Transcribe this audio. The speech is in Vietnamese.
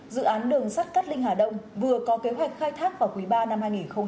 dự án đường sắt cát linh hà đông vừa có kế hoạch khai thác vào quý ba năm hai nghìn hai mươi